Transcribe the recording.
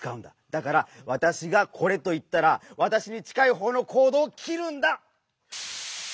だからわたしが「これ」といったらわたしにちかいほうのコードをきるんだ！